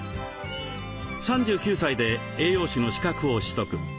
３９歳で栄養士の資格を取得。